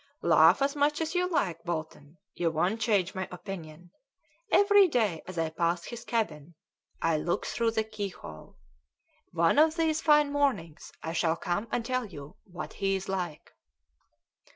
"Laugh as much as you like, Bolton, you won't change my opinion. Every day as I pass his cabin I look through the keyhole. One of these fine mornings I shall come and tell you what he's like."